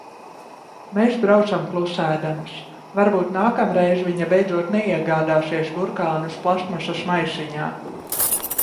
Mēs braucam klusēdamas. Varbūt nākamreiz viņa beidzot neiegādāsies burkānus plastmasas maisiņā.